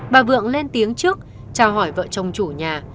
bà vượng lên tiếng trước trao hỏi vợ chồng chủ nhà